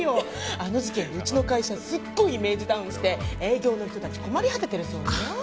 あの事件でうちの会社すっごいイメージダウンして営業の人たち困り果ててるそうよ。